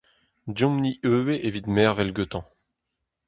Deomp-ni ivez evit mervel gantañ.